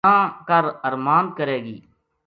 نہ کر ارماند کرے گی